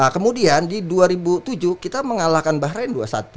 kemudian di dua ribu tujuh kita mengalahkan bahrain dua satu